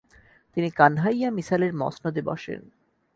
তিনি কানহাইয়া মিসালের মসনদে বসেন।